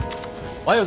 おはよう。